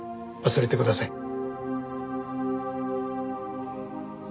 忘れてください。